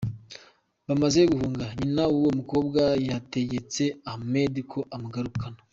Bamaze guhunga, nyina w'uwo mukobwa yategetse Ahmed ko amugarukana.